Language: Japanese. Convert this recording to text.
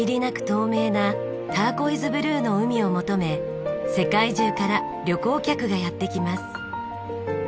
透明なターコイズブルーの海を求め世界中から旅行客がやって来ます。